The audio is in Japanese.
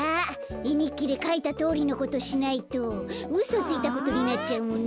えにっきでかいたとおりのことしないとうそついたことになっちゃうもんね。